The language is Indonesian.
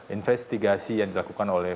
investigasi yang dilakukan oleh